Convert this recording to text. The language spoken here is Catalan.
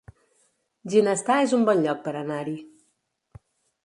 Ginestar es un bon lloc per anar-hi